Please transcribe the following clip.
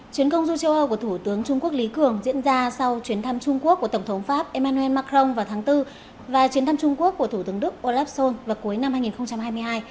chuyến công du châu âu của thủ tướng trung quốc lý cường diễn ra sau chuyến thăm trung quốc của tổng thống pháp emmanuel macron vào tháng bốn và chuyến thăm trung quốc của thủ tướng đức olaf scholz vào cuối năm hai nghìn hai mươi hai